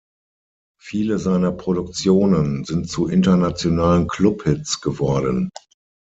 Viele seiner Produktionen sind zu internationalen Clubhits geworden.